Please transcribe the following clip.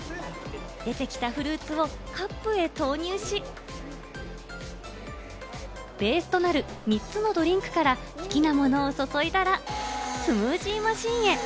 出てきたフルーツをカップへ投入し、ベースとなる３つのドリンクから好きなものを注いだら、スムージーマシーンへ。